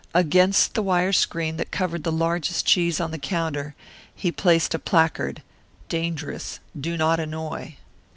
Against the wire screen that covered the largest cheese on the counter he placed a placard, "Dangerous. Do not Annoy."